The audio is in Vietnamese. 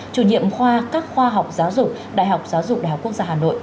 chủ nhiệm khoa các khoa học giáo dục đại học giáo dục đại học quốc gia hà nội